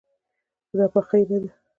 دا پخې نه ده